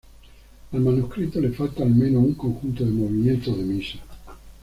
Al manuscrito le falta al menos un conjunto de movimientos de misa.